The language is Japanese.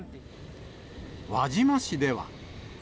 輪島市では。